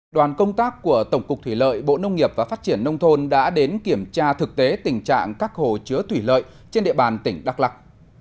đoàn công tác của tổng cục thủy lợi bộ nông nghiệp và phát triển nông thôn đã đến kiểm tra thực tế tình trạng các hồ chứa thủy lợi trên địa bàn tỉnh đắk lắc